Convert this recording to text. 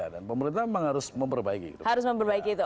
ya dan pemerintah memang harus memperbaiki itu